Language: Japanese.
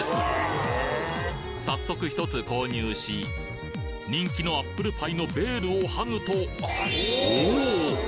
早速１つ購入し人気のアップルパイのベールを剥ぐとおおっ！